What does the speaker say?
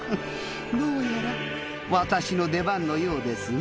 どうやら私の出番のようですね。